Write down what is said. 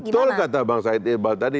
jadi betul kata bang saidebal tadi